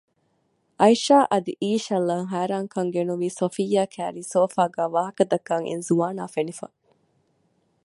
އައިޝާ އަދި އީޝަލްއަށް ހައިރާންކަން ގެނުވީ ސޮފިއްޔާ ކައިރީ ސޯފާގައި ވާހަކަދައްކަން އިން ޒުވާނާ ފެނިފަ